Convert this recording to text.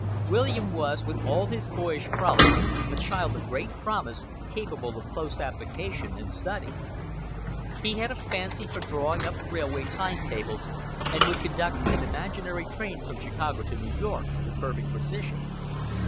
William was, with all his boyish frolic, a child of great promise, capable of close application and study. He had a fancy for drawing up railway time tables, and would conduct an imaginary train from Chicago to New York with perfect precision.